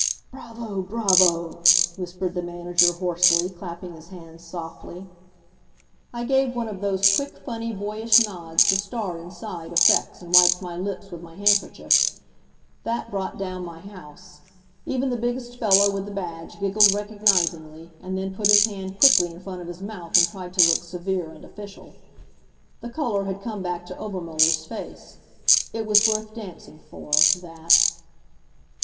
"Bravo! bravo!" whispered the manager, hoarsely, clapping his hands softly. I gave one of those quick, funny, boyish nods the star inside affects and wiped my lips with my handkerchief. That brought down my house. Even the biggest fellow with the badge giggled recognizingly, and then put his hand quickly in front of his mouth and tried to look severe and official. The color had come back to Obermuller's face; it was worth dancing for that.